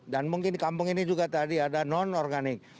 dan mungkin di kampung ini juga tadi ada non organik